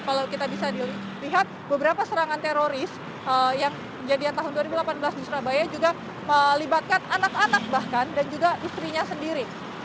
kalau kita bisa dilihat beberapa serangan teroris yang kejadian tahun dua ribu delapan belas di surabaya juga melibatkan anak anak bahkan dan juga istrinya sendiri